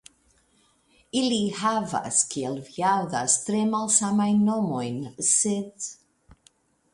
Ili havas, kiel vi aŭdas, tre malsamajn nomojn, sed..